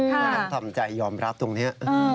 คุณทำใจยอมรับตรงนี้